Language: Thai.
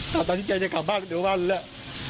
ตลกตามที่เจนจะกลับบ้านเดี๋ยวบ้านแล้ว